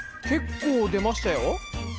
結構出ましたよ。